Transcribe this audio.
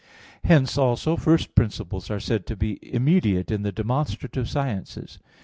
Hence also first principles are said to be immediate in the demonstrative sciences.